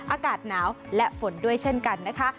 อากาศหนาวและฝนด้วยเช่นกันนะคะ